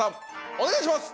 お願いします！